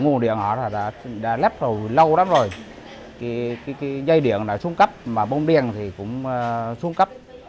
nguồn điện họ đã lắp lâu lắm rồi dây điện đã xuống cấp bóng đèn cũng xuống cấp